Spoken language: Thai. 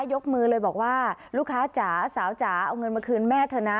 ยกมือเลยบอกว่าลูกค้าจ๋าสาวจ๋าเอาเงินมาคืนแม่เถอะนะ